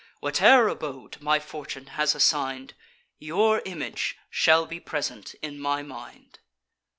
Whate'er abode my fortune has assign'd, Your image shall be present in my mind."